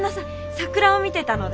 桜を見てたので。